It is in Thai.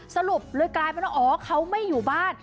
สรุปเลยกลายเป็นว่าอ๋อเขาไม่อยู่บ้าน